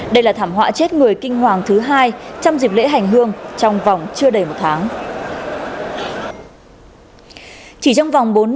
đây là thảm họa chết người kinh hoàng thứ hai trong dịp lễ hành hương trong vòng chưa đầy một tháng